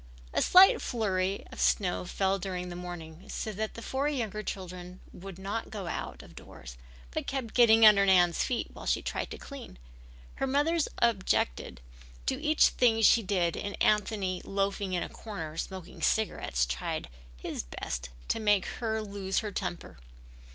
A slight flurry of snow fell during the morning, so that the four younger children would not go out of doors but kept getting under Nan's feet while she tried to clean. Her mother objected to each thing she did and Anthony loafing in a corner smoking cigarettes tried his best to make her lose her temper.